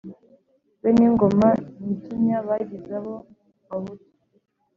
beningoma nyiginya bagize abo bahutu